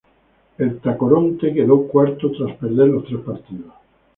El Tacoronte quedó cuarto tras perder los tres partidos.